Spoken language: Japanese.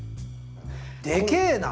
でけえな！